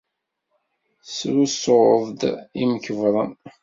Tesrusuḍ-d imkebbren.